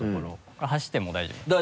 これ走っても大丈夫なんですか？